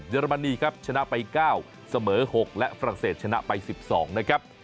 อรมนีครับชนะไป๙เสมอ๖และฝรั่งเศสชนะไป๑๒นะครับ